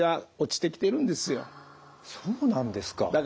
そうなんですか。